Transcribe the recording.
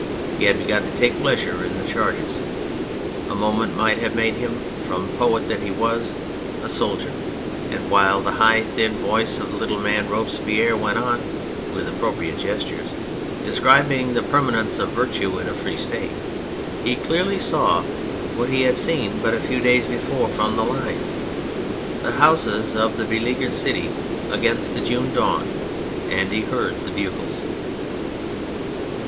He had begun to take pleasure in the charges. A moment might have made him, from the poet that he was, a soldier ; and while the high thin voice of the little man Robes pierre went on with appropriate gestures, describing the permanence of Virtue in a free State, he clearly saw what he had seen but a few days before from the lines : the houses of the beleaguered city against the June dawn, and he heard the bugles.